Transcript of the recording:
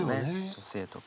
女性とか。